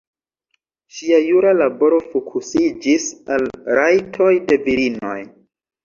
Ŝia jura laboro fokusiĝis al rajtoj de virinoj.